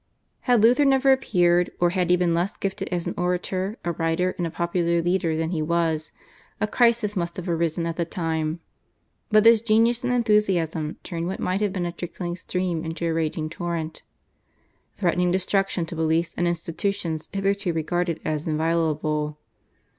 Had Luther never appeared, or had he been less gifted as an orator, a writer and a popular leader than he was, a crisis must have arisen at the time; but his genius and enthusiasm turned what might have been a trickling stream into a raging torrent, threatening destruction to beliefs and institutions hitherto regarded as inviolable.